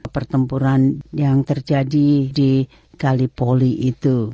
pertempuran yang terjadi di kalipoli itu